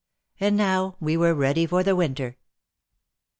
And now we were ready for the winter.